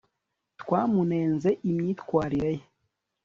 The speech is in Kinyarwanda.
twamunenze imyitwarire ye